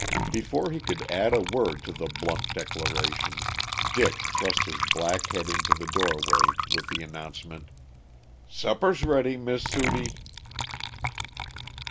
Before he could add a word to the blunt declaration, Dick thrust his black head into the door way with the announcement, "Supper's ready, Miss Sudie."